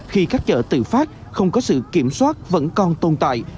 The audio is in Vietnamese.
khi các chợ tự phát không có sự kiểm soát vẫn còn tồn tại